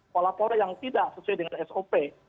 pola pola yang tidak sesuai dengan sop